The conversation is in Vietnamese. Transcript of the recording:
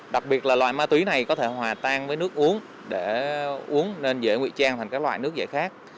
đặc biệt là loại ma túy này có thể hòa tan với nước uống để uống nên dễ nguy trang thành các loại nước dễ khác